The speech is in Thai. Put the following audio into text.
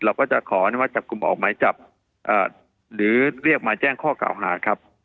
เราก็จะขออนุมัติจับกลุ่มออกหมายจับหรือเรียกมาแจ้งข้อเก่าหาครับ